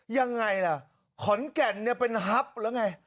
ยังไงล่ะขอนแก่นเป็นฮับหรือไง